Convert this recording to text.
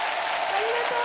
ありがとう！